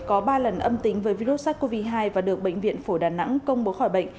có ba lần âm tính với virus sars cov hai và được bệnh viện phổi đà nẵng công bố khỏi bệnh